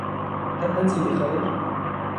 هل انت بخير ؟